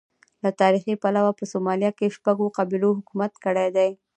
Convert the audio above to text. له تاریخي پلوه په سومالیا کې شپږو قبیلو حکومت کړی دی.